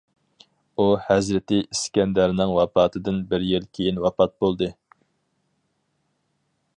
ئۇ ھەزرىتى ئىسكەندەرنىڭ ۋاپاتىدىن بىر يىل كېيىن ۋاپات بولدى.